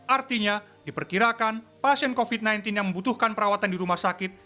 artinya diperkirakan pasien covid sembilan belas yang membutuhkan perawatan di rumah sakit